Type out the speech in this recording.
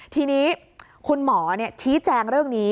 ทีนี้คุณหมอชี้แจงเรื่องนี้